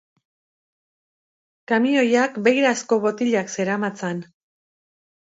Kamioiak beirazko botilak zeramatzan.